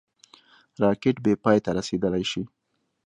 راکټ بېپای ته رسېدلای شي